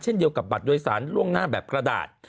เช่นเดียวกับบัตรโดยสารล่วงหน้าแบบกระดาษ